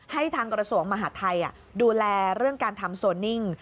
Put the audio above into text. ให้ทางกรสวงศ์มหาทัยดูแลเรื่องการทำโซนนิ่ง